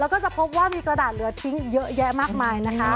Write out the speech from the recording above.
แล้วก็จะพบว่ามีกระดาษเหลือทิ้งเยอะแยะมากมายนะคะ